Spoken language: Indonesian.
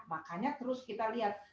makanya terus kita lihat